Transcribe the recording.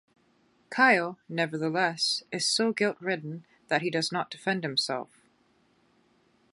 Kyle, nevertheless, is so guilt-ridden that he does not defend himself.